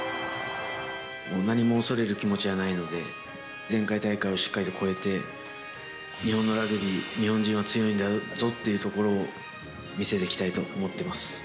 もう何も恐れる気持ちはないので、前回大会をしっかりと超えて、日本のラグビー、日本人は強いんだぞというところを見せていきたいと思ってます。